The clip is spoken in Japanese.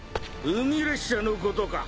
海列車のことか？